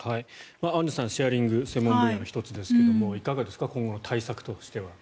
アンジュさんシェアリング専門分野の１つですがいかがですか今後の対策としては。